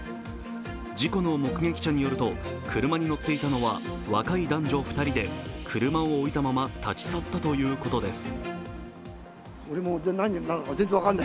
事故の目撃者によると車に乗っていたのは若い男女２人で車を置いたまま立ち去ったということです。